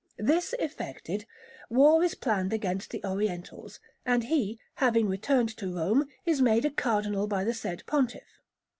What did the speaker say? This effected, war is planned against the Orientals; and he, having returned to Rome, is made a Cardinal by the said Pontiff.